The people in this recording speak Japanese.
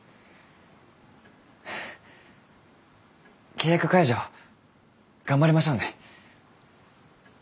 契約解除頑張りましょうね。